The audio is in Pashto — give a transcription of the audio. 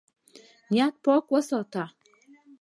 نیت پاک وساته.